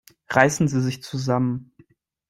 Reißen Sie sich zusammen!